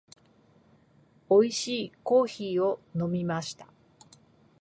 美味しいコーヒーを飲みました。